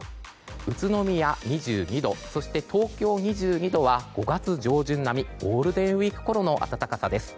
宇都宮、２２度東京、２２度は５月上旬並みゴールデンウィークごろの暖かさです。